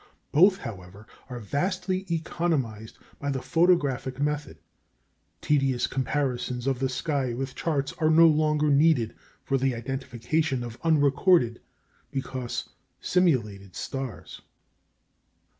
Both, however, are vastly economised by the photographic method. Tedious comparisons of the sky with charts are no longer needed for the identification of unrecorded, because simulated stars.